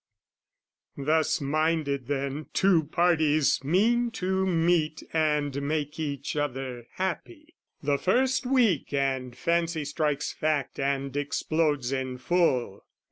Thus minded then, two parties mean to meet And make each other happy. The first week, And fancy strikes fact and explodes in full.